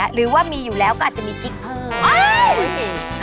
หรือว่ามีอยู่แล้วก็อาจจะมีกิ๊กเพิ่ม